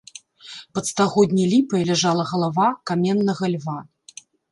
Пад стагодняй ліпай ляжала галава каменнага льва.